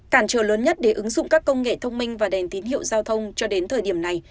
cản trở lớn nhất để ứng dụng các công nghệ thông minh và đèn tín hiệu giao thông cho đến thời điểm này